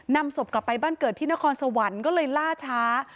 ศพกลับไปบ้านเกิดที่นครสวรรค์ก็เลยล่าช้า